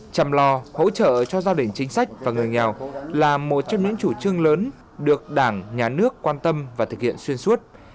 chằm lò hỗ trợ cho giao đỉnh chính sách và người nghèo là một trong những chủ trương lớn được đảng nhà nước quan tâm và thực hiện xuyên suốt